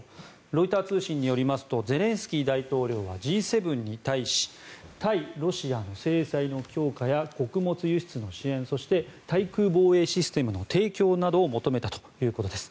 ロイター通信によりますとゼレンスキー大統領はＧ７に対し対ロシアの制裁の強化や穀物輸出の支援そして対空防衛システムの提供などを求めたということです。